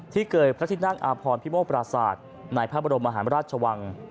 ที่เกิดพระทินักอาภรพิโมปราศาสตร์ในพระบรมหารราชวัง